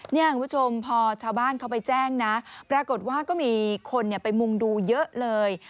คุณผู้ชมพอชาวบ้านเขาไปแจ้งนะปรากฏว่าก็มีคนไปมุงดูเยอะเลย